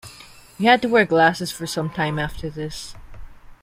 He had to wear glasses for some time after this.